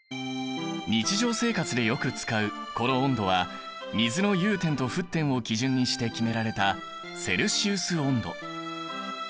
日常生活でよく使うこの温度は水の融点と沸点を基準にして決められたセルシウス温度。